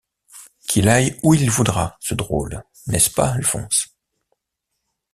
Qu’il aille où il voudra, ce drôle, n’est-ce pas, Alphonse?